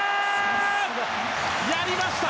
やりました！